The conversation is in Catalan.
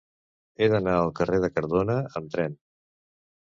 He d'anar al carrer de Cardona amb tren.